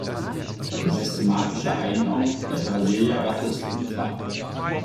Die systematische Einordnung der Brasilia-Ratte ist unklar.